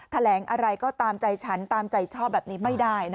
แถลงอะไรก็ตามใจฉันตามใจชอบแบบนี้ไม่ได้